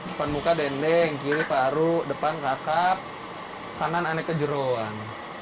depan muka dendeng kiri paru depan kakap kanan aneka jerawan